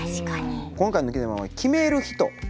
今回のテーマは「決めるひと」。